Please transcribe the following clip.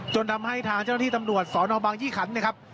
ทำให้ทางเจ้าหน้าที่ตำรวจสนบางยี่ขันนะครับ